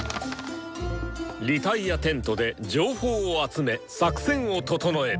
脱落テントで情報を集め作戦を整えた。